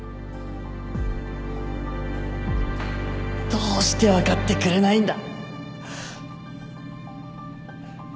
どうして分かってくれないんだ